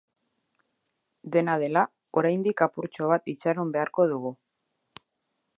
Dena dela, oraindik apurtxo bat itxaron beharko dugu.